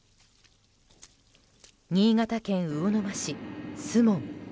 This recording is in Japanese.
新潟県魚沼市守門。